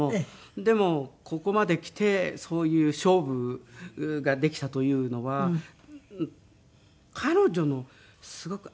でもここまできてそういう勝負ができたというのは彼女のすごく愛情を感じるんです。